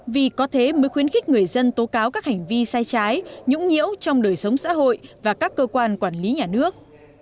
vì có thế mới khuyến khích người dân tố cáo các hành vi sai trái nhũng nhiễu trong đời sống xã hội và các cơ quan quản lý nhà nước